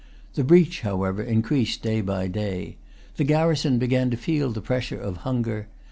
The breach, however, increased day by day. The garrison began to feel the pressure of hunger.